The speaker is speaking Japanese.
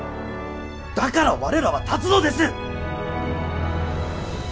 だから我らは立つのです！